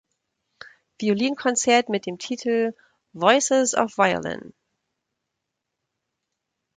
Violinkonzert mit dem Titel „Voices of Violin“.